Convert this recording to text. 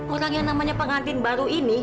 orang yang namanya pengantin baru ini